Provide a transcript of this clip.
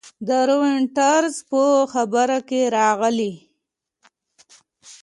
د رویټرز په خبر کې راغلي